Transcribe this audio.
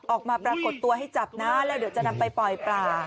ปรากฏตัวให้จับนะแล้วเดี๋ยวจะนำไปปล่อยปลา